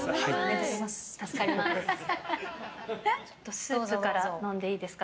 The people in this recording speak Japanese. スープから飲んでいいですか？